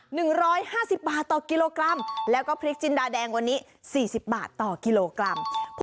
หนึ่งร้อยห้าสิบบาทต่อกิโลกรัมแล้วก็พริกจินดาแดงวันนี้สี่สิบบาทต่อกิโลกรัม